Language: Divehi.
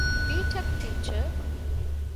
ބީޓެކް ޓީޗަރ